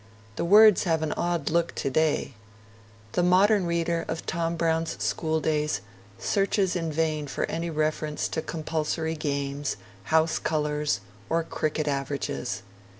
The words have an odd look today. 'The modern reader of "Tom Brown's Schooldays" searches in vain for any reference to compulsory games, house colours, or cricket averages.